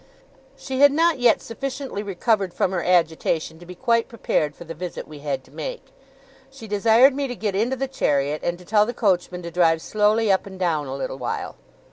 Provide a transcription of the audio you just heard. She had not yet sufficiently recovered from her agitation to be quite prepared for the visit we had to make. She desired me to get into the chariot, and to tell the coachman to drive slowly up and down a little while.